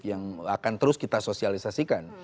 yang akan terus kita sosialisasikan